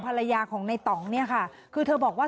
ภรรยาของในต่องคือเธอบอกว่า